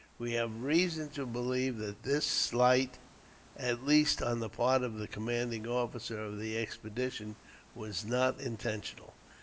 We have reason to believe that this slight, at least on the part of the commanding officer of the expedition, was not intentional.